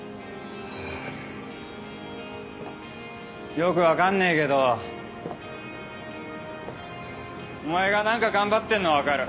よく分かんねえけどお前が何か頑張ってんのは分かる。